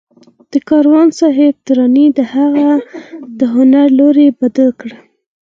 د کاروان صاحب ترانې د هغه د هنر لوری بدل کړ